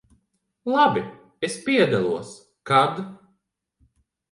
Labi, es piedalos. Kad?